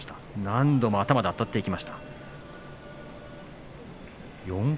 何度も頭であたっていきました。